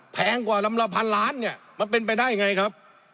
แพงกว่าลำละพันล้านเนี่ยมันเป็นไปได้ไงครับ